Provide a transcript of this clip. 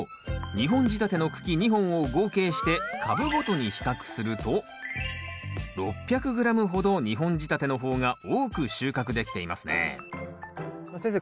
２本仕立ての茎２本を合計して株ごとに比較すると６００ｇほど２本仕立ての方が多く収穫できていますね先生